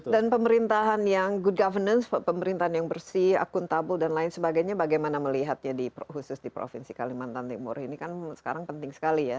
dan pemerintahan yang good governance pemerintahan yang bersih akuntabel dan lain sebagainya bagaimana melihatnya di provinsi kalimantan timur ini kan sekarang penting sekali ya